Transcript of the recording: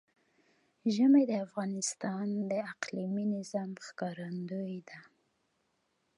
ژمی د افغانستان د اقلیمي نظام ښکارندوی ده.